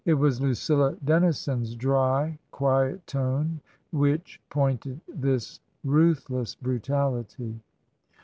It was Lucilla Dennison's dry, quiet tone which pointed this ruthless brutality.